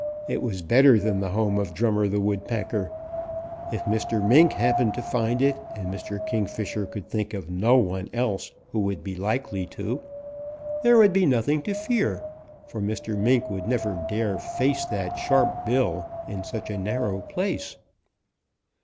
It was better than the home of Drummer the Woodpecker. If Mr. Mink happened to find it, and Mr. Kingfisher could think of no one else who would be likely to, there would be nothing to fear, for Mr. Mink would never dare face that sharp hill in such a narrow place.